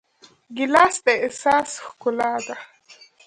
ګیلاس د احساس ښکلا ده.